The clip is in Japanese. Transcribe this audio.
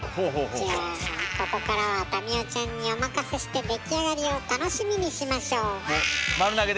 じゃあここからは民生ちゃんにお任せして出来上がりを楽しみにしましょう。